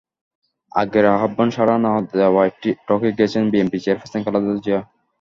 আগের আহ্বানে সাড়া না দেওয়ায় ঠকে গেছেন বিএনপি চেয়ারপারসন খালেদা জিয়া।